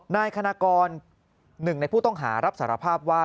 นายคณะกร๑ในผู้ต้องหารับสารภาพว่า